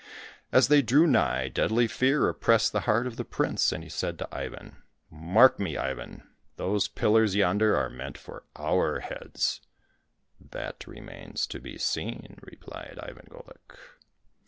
As they drew nigh, deadly fear oppressed the heart of the prince, and he said to Ivan, " Mark me, Ivan ! those pillars yonder are meant for otir heads !"—*' That remains to be seen," replied Ivan Golik.